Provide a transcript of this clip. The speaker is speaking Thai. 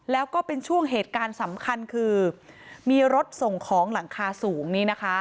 แล้วก็เป็นช่วงเหตุการณ์สำคัญคือมีรถส่งของหลังคาสูงนี่นะคะ